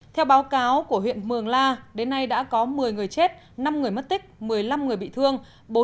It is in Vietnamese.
theo báo cáo của huyện mường la đến nay đã có một mươi người chết năm người mất tích một mươi năm người bị thương